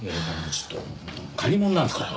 ちょっともう借り物なんですから。